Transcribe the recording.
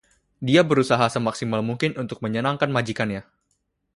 Dia berusaha semaksimal mungkin untuk menyenangkan majikannya.